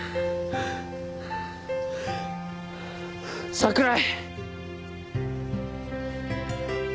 桜井！